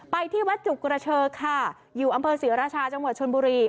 ที่วัดจุกกระเชอค่ะอยู่อำเภอศรีราชาจังหวัดชนบุรี